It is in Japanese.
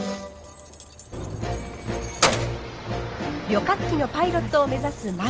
旅客機のパイロットを目指す舞。